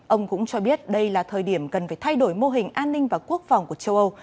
ông cũng cho biết đây là thời điểm cần phải thay đổi mô hình an ninh và quốc phòng của châu âu